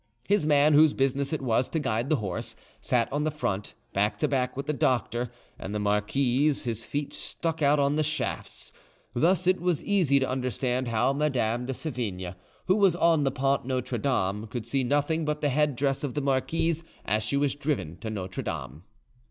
His man, whose business it was to guide the horse, sat on the front, back to back with the doctor and the marquise, his feet stuck out on the shafts. Thus it is easy to understand how Madame de Sevigne, who was on the Pont Notre Dame, could see nothing but the headdress of the marquise as she was driven to Notre Dame.